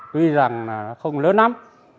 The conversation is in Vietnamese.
tuy rằng không lớn lắm